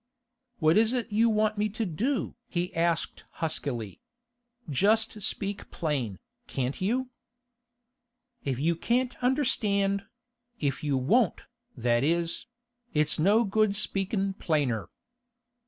'What is it you want me to do?' he asked huskily. 'Just speak plain, can't you?' 'If you can't understand—if you won't, that is—it's no good speakin' plainer.